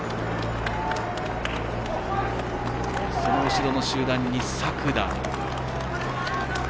その後ろの集団に作田。